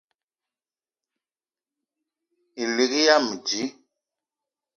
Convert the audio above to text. Elig yam dji